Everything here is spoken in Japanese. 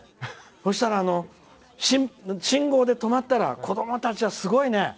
そしたら、信号で止まったら子供たちは、すごいね。